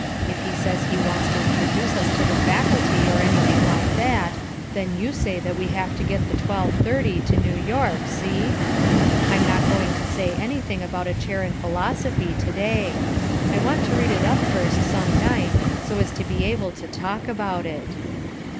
If he says he wants to introduce us to the Faculty or anything like that, then you say that we have to get the twelve thirty to New York, see? I'm not going to say anything about a chair in philosophy to day. I want to read it up first some night so as to be able to talk about it."